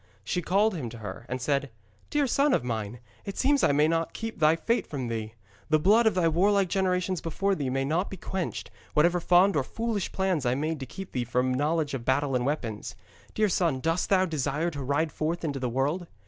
She called him to her, and said: 'Dear son of mine, it seems I may not keep thy fate from thee. The blood of thy warlike generations before thee may not be quenched, whatever fond and foolish plans I made to keep thee from knowledge of battle and weapons. Dear son, dost thou desire to ride forth into the world?'